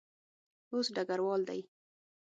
اوس ډګروال دی.